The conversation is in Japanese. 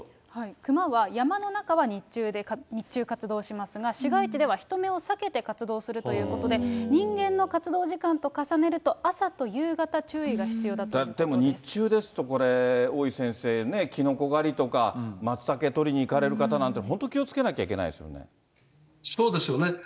クマは山の中は日中活動しますが、市街地では人目を避けて活動するということで、人間の活動時間と重ねると、朝と夕方、でも日中ですとこれ、大井先生ね、キノコ狩りとか、マツタケ取りに行かれる方なんて、本当、気をつけなきゃいけないでそうですよね。